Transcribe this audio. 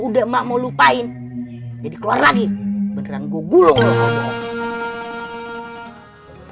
udah mau lupain jadi keluar lagi beneran google